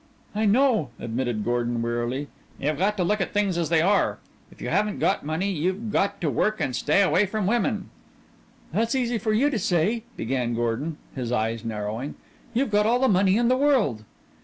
"I know," admitted Gordon wearily. "You've got to look at things as they are. If you haven't got money you've got to work and stay away from women." "That's easy for you to say," began Gordon, his eyes narrowing. "You've got all the money in the world."